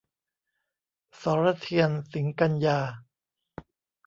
สรเทียน สิงกันยา